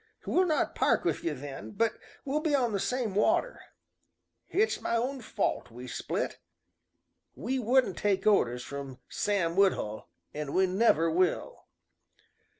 We'll not park with ye then. But we'll be on the same water. Hit's my own fault we split. We wouldn't take orders from Sam Woodhull, an' we never will."